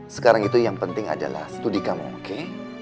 sekarang itu yang penting adalah studi kamu oke